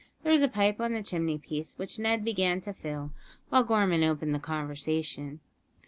There was a pipe on the chimney piece, which Ned began to fill, while Gorman opened the conversation.